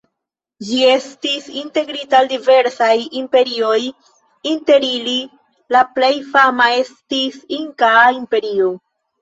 Ĝi estis integrita al diversaj imperioj, inter ili la plej fama estis Inkaa Imperio.